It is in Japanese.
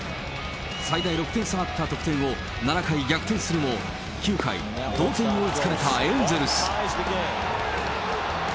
最大６点差あった得点を、７回逆転するも、９回、同点に追いつかれたエンゼルス。